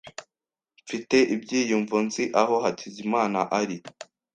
Mfite ibyiyumvo nzi aho Hakizimana ari.